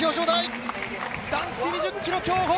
男子２０ｋｍ競歩